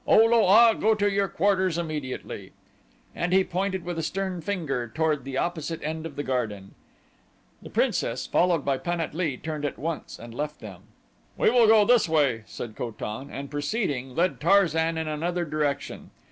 O lo a, go to your quarters immediately," and he pointed with stern finger toward the opposite end of the garden. The princess, followed by Pan at lee, turned at once and left them. "We will go this way," said Ko tan and preceding, led Tarzan in another direction.